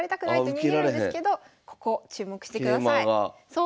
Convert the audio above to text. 逃げるんですけどここ注目してください。